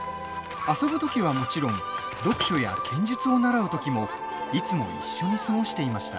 遊ぶときはもちろん読書や剣術を習うときもいつも一緒に過ごしていました。